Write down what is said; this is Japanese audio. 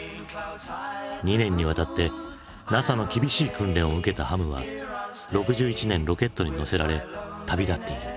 ２年にわたってＮＡＳＡの厳しい訓練を受けたハムは６１年ロケットに乗せられ旅立っている。